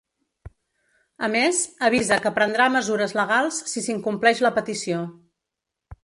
A més, avisa que prendrà mesures legals si s’incompleix la petició.